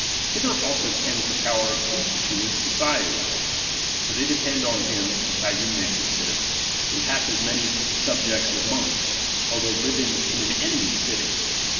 Hither also tends the power of instituting societies. For they depend on him by whom they subsist, who hath as many 318 xviii subjects as monks, although living in an enemy's ~' city.